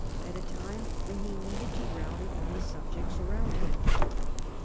at a time when he needed to rally all his subjects round him.